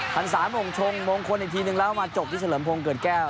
รษาโมงชงมงคลอีกทีนึงแล้วมาจบที่เฉลิมพงศ์เกิดแก้ว